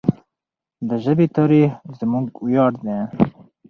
د ژبې تاریخ زموږ ویاړ دی.